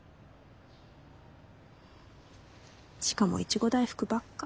しかもイチゴ大福ばっか。